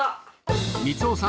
光雄さん